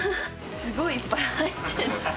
すごいいっぱい入ってる。